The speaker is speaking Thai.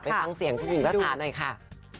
ไปฟังเสียงทุกอย่างรักษาหน่อยค่ะ